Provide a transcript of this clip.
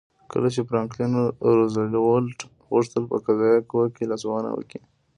کله چې فرانکلین روزولټ غوښتل په قضایه قوه کې لاسوهنه وکړي.